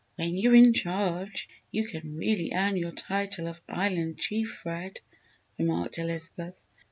"When you are in charge, you can really earn your title of 'Island Chief,' Fred," remarked Elizabeth.